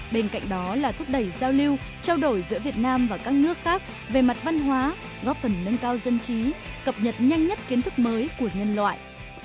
bên cạnh đó là thúc đẩy giao lưu trao đổi giữa việt nam và các nước khác về mặt văn hóa góp phần nâng cao dân trí cập nhật nhanh nhất kiến thức mới của nhân loại